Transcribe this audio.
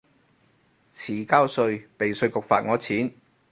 遲交稅被稅局罰我錢